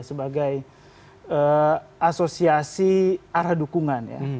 sebagai asosiasi arah dukungan ya